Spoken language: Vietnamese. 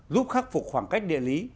giúp khắc phục khoảng cách địa lý